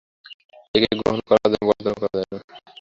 একে গ্রহণও করা যায় না, বর্জনও করা যায় না।